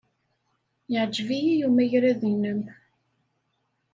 Yeɛjeb-iyi umagrad-nnem.